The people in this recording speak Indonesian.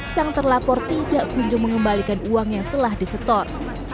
sang terlapor tidak kunjung mengembalikan uang yang telah disetor